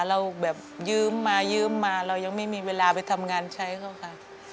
เราแบบยืมมายืมมาเรายังไม่มีเวลาไปทำงานใช้เขาค่ะ